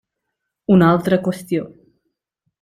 Una altra qüestió.